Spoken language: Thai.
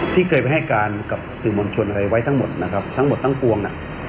ที่เคยไปให้การกับสื่อมวลชนอะไรไว้ทั้งหมดนะครับทั้งหมดทั้งปวงน่ะ